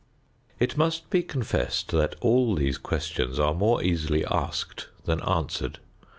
It must be confessed that all these questions are more easily asked than answered.